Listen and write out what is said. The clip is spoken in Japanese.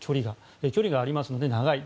距離がありますので長い。